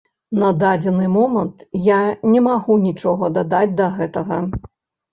На дадзены момант я не магу нічога дадаць да гэтага.